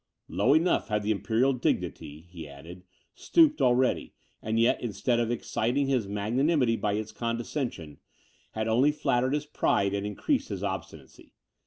"Low enough had the imperial dignity," he added, "stooped already; and yet, instead of exciting his magnanimity by its condescension, had only flattered his pride and increased his obstinacy.